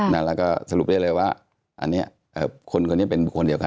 แล้วก็สรุปได้เลยว่าคนคนนี้เป็นคนเดียวกัน